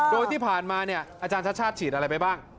โดยที่ผ่านมาอาจารย์ชัดฉีดอะไรไปบ้าง